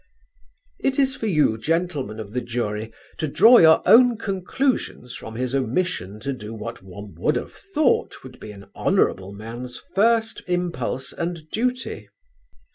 "It is for you, gentlemen of the jury, to draw your own conclusions from his omission to do what one would have thought would be an honourable man's first impulse and duty."